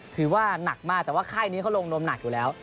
ถือว่าหนักมากแต่ว่าค่ายนี้เขาลงนมหนักอยู่แล้ว